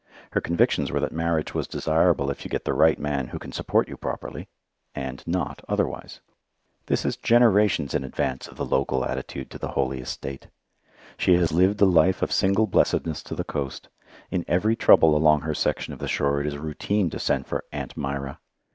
Her convictions were that marriage was desirable if you get the right man who can support you properly, and not otherwise. This is generations in advance of the local attitude to the holy estate. She has lived a life of single blessedness to the coast. In every trouble along her section of the shore it is "routine" to send for "Aunt" 'Mira.